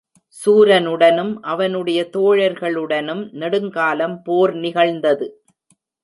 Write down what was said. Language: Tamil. சூரனுடனும், அவனுடைய தோழர்களுடனும் நெடுங்காலம் போர் நிகழ்ந்தது.